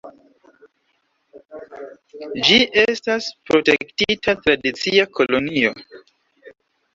Ĝi estas protektita tradicia kolonio.